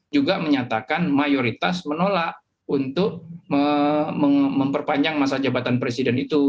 juga menyatakan mayoritas menolak untuk memperpanjang masa jabatan presiden itu